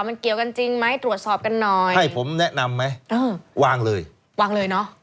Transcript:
มันเกี่ยวกันจริงไหมตรวจสอบกันหน่อยให้ผมแนะนำไหมเออวางเลยวางเลยเนอะ